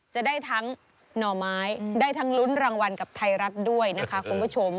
จะได้ทั้งหน่อไม้ได้ทั้งลุ้นรางวัลกับไทยรัฐด้วยนะคะคุณผู้ชม